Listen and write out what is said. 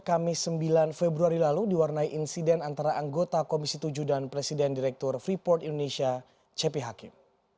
kamis sembilan februari lalu diwarnai insiden antara anggota komisi tujuh dan presiden direktur freeport indonesia cepi hakim